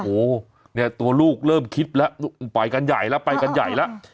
โอโหตัวลูกเริ่มคิดแล้วไปกันใหญ่แล้ว